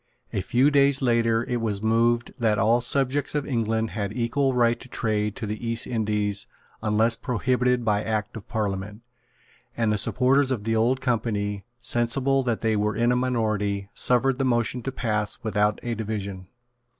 A few days later it was moved that all subjects of England had equal right to trade to the East Indies unless prohibited by Act of Parliament; and the supporters of the Old Company, sensible that they were in a minority, suffered the motion to pass without a division.